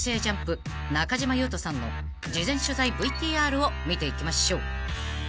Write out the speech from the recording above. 中島裕翔さんの事前取材ＶＴＲを見ていきましょう］